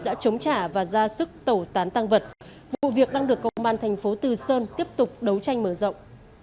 đã chống trả và ra sức tẩu tán tăng vật vụ việc đang được công an thành phố từ sơn tiếp tục đấu tranh mở rộng